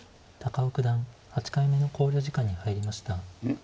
高尾九段８回目の考慮時間に入りました。